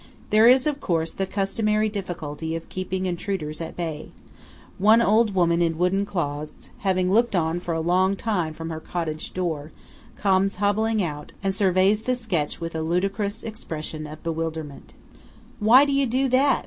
There is, of course, the customary difficulty of keeping intruders at bay. One old woman in wooden clogs, having looked on for a long time from her cottage door, comes hobbling out, and surveys the sketch with a ludicrous expression of bewilderment. MONTE SERRATA. "Why do you do that?"